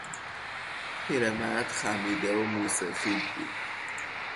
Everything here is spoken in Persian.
پیرمرد خمیده و موسفید بود.